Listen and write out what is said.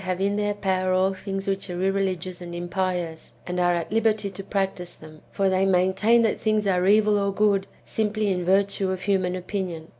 95 have in their power all things which are irreligious and im pious, and are at liberty to practise them ; for they maintain that things are evil or good, simply in virtue of human opinion.